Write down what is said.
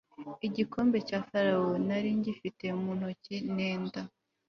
igikombe cya farawo nari ngifite mu ntoki nenda